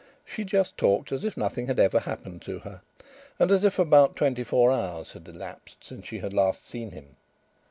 She just talked as if nothing had ever happened to her, and as if about twenty four hours had elapsed since she had last seen him.